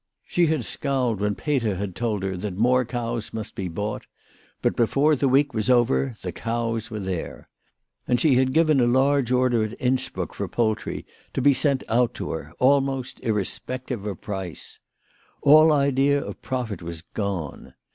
She had scowled when Peter had told her that more cows must be bought ; but before the week was over the cows were there. And she had given a large order at Innsbruck for poultry to be sent out to her, almost irrespective of price. All idea of profit was gone.